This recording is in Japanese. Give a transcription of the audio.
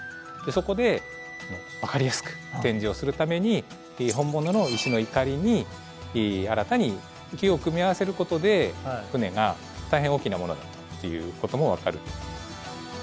そこで分かりやすく展示をするために本物の石の碇に新たに木を組み合わせることで船が大変大きなものだっていうことも分かる。